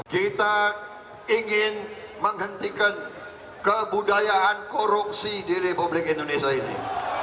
kita ingin menghentikan kebudayaan korupsi di republik indonesia ini